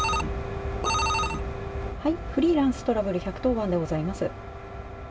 フリーランストラブル１１０番でございます。